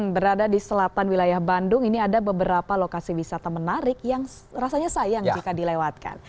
berada di selatan wilayah bandung ini ada beberapa lokasi wisata menarik yang rasanya sayang jika dilewatkan